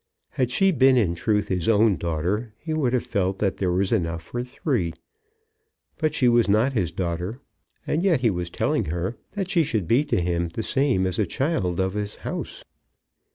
Had she been in truth his daughter, he would have felt that there was enough for three; but she was not his daughter, and yet he was telling her that she should be to him the same as a child of his house!